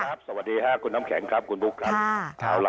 สวัสดีครับสวัสดีครับคุณน้ำแข็งครับคุณพุกครับ